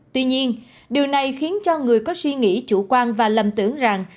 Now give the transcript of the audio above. tuy nhiên điều này khiến cho người có suy nghĩ chủ quan và lầm tưởng rằng